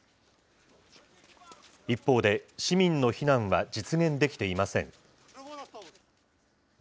一方で、市民の避難は実現できていません。